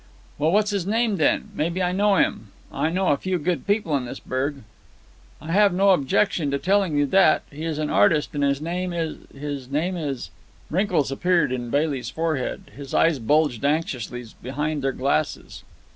"Well, what's his name, then? Maybe I know him. I know a few good people in this burg." "I have no objection to telling you that. He is an artist, and his name is—his name is——" Wrinkles appeared in Bailey's forehead. His eyes bulged anxiously behind their glasses.